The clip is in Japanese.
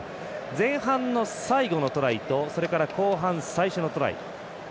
前半の最後のトライとそれから後半最初のトライ。